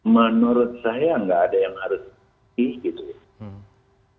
menurut saya nggak ada yang harus diperlukan